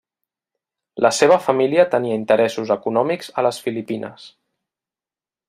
La seva família tenia interessos econòmics a les Filipines.